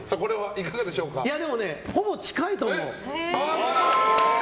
でもね、ほぼ近いと思う。